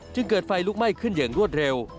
จึงเกิดไฟลุกไหม้ขึ้นอย่างรวดเร็ว